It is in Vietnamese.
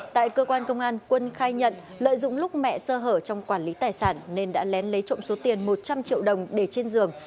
tại cơ quan công an quân khai nhận lợi dụng lúc mẹ sơ hở trong quản lý tài sản nên đã lén lấy trộm số tiền một trăm linh triệu đồng để trên giường